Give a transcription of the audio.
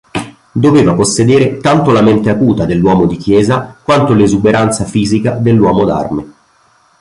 Doveva possedere tanto la mente acuta dell’uomo di Chiesa quanto l’esuberanza fisica dell’uomo d’arme.